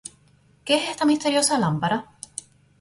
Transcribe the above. Que es esta misteriosa lámpara?